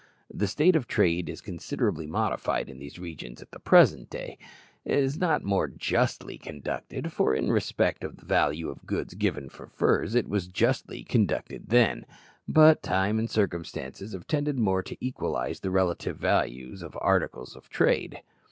The state of trade is considerably modified in these regions at the present day. It is not more justly conducted, for, in respect of the value of goods given for furs, it was justly conducted then, but time and circumstances have tended more to equalize the relative values of articles of trade.